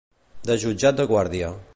De jutjat de guàrdia.